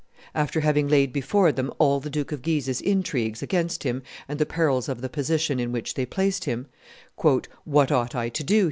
After having laid before them all the Duke of Guise's intrigues against him and the perils of the position in which they placed him, "What ought I to do?"